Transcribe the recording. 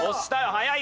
早い！